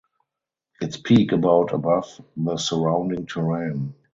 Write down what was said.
Its peak about above the surrounding terrain.